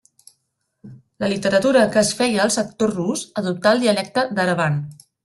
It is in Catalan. La literatura que es feia al sector rus adoptà el dialecte d'Erevan.